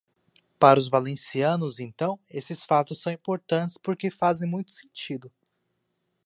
Para os valencianos, então, esses fatos são importantes porque fazem muito sentido.